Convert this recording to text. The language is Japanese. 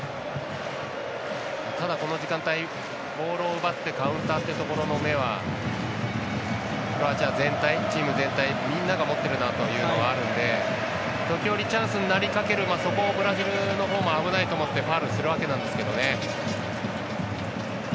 ただ、この時間帯ボールを奪ってカウンターというところはクロアチア、全体チーム全体はみんなが持ってるなというのがあるんで時折チャンスになりかけるそこをブラジルのほうも危ないと思ってファウルするわけなんですけどね。